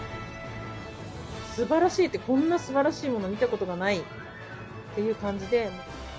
すばらしいって、こんなすばらしいもの見たことがないっていう感じで。